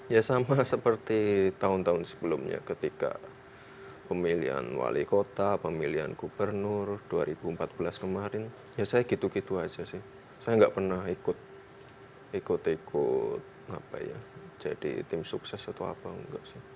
ya sama seperti tahun tahun sebelumnya ketika pemilihan wali kota pemilihan gubernur dua ribu empat belas kemarin ya saya gitu gitu aja sih saya nggak pernah ikut ikut apa ya jadi tim sukses atau apa enggak sih